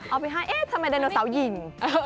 เอาไปให้เอ๊ะทำไมไดโนเสาร์หญิง